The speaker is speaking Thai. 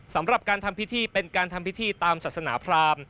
สำหรับการทำพิธีเป็นการทำพิธีตามศาสนาพราม